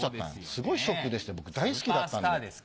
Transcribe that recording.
すごいショックでして僕大好きだったんで。